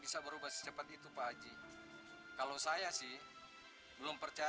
sampai jumpa di video selanjutnya